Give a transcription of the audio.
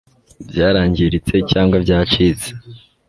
Byarangiritse cyangwa byacitse